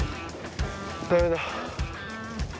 ダメだ。